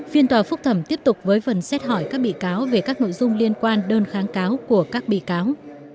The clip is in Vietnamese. phiên tòa phúc thẩm tiếp tục với phần xét hỏi các bị cáo về các nội dung liên quan đơn kháng cáo của các bị cáo